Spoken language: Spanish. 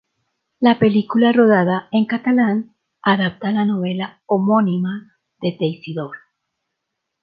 La película, rodada en catalán, adapta la novela homónima de Teixidor.